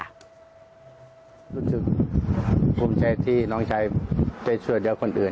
รู้สึกภูมิใจที่น้องชายได้ช่วยเหลือคนอื่น